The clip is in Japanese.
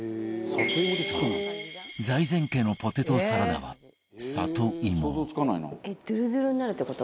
そう、財前家のポテトサラダは里芋藤本：ドゥルドゥルになるって事？